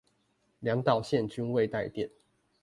兩導線均未帶電